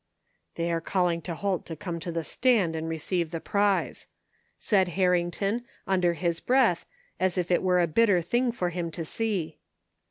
" They are calling Holt to come to the stand and receive the prize," said Harrington, under his breath, as if it were a bitter thing for him to see.